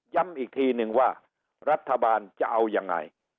อีกทีนึงว่ารัฐบาลจะเอายังไง